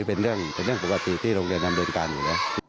เป็นเรื่องปกติที่โรงเรียนนำแบบนี้